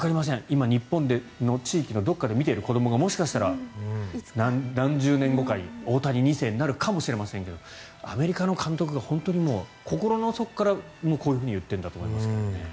今、日本の地域のどこかで見ている子どもがもしかしたら何十年後かに大谷２世になるかもしれませんがアメリカの監督が本当に心の底からこう言っているんだと思いますけどね。